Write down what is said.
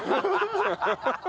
ハハハハ。